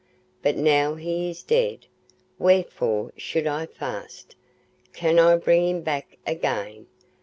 But now he is dead, wherefore should I fast? Can I bring him back again?